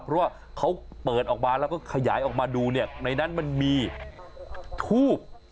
เพราะว่าเขาเปิดออกมาแล้วก็ขยายออกมาดูเนี่ยในนั้นมันมีทูบ